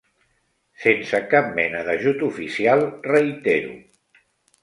Sense cap mena d'ajut oficial, reitero.